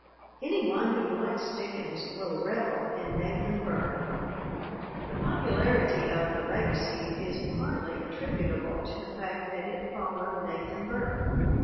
Any one who likes Dick ens will revel in Nathan Burke. The popularity of The Legacy is partly attributable to the fact that it followed Nathan Burke.